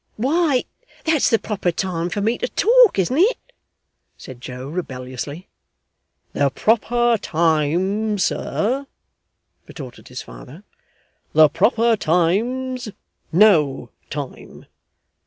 'Why that's the proper time for me to talk, isn't it?' said Joe rebelliously. 'The proper time, sir!' retorted his father, 'the proper time's no time.